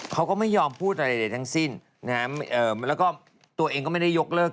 เขาก็ไม่ยอมพูดอะไรใดทั้งสิ้นนะฮะแล้วก็ตัวเองก็ไม่ได้ยกเลิก